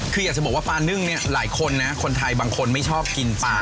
คืออยากจะบอกว่าปลานึ่งเนี่ยหลายคนนะคนไทยบางคนไม่ชอบกินปลา